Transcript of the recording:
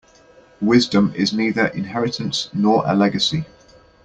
Wisdom is neither inheritance nor a legacy.